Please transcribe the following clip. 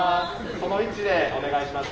その位置でお願いします。